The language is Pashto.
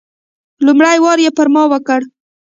لومړی وار یې پر ما وکړ.